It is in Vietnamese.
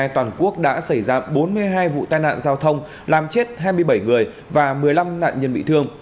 toàn quốc đã xảy ra bốn mươi hai vụ tai nạn giao thông làm chết hai mươi bảy người và một mươi năm nạn nhân bị thương